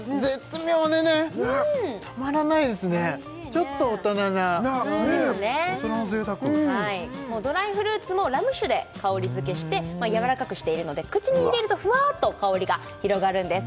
ちょっと大人なねぇ大人の贅沢ドライフルーツもラム酒で香りづけしてやわらかくしているので口に入れるとふわっと香りが広がるんです